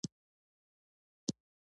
د نجلۍ سرې شونډې اور لګوي.